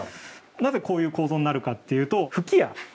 なぜこういう構造になるかっていうと。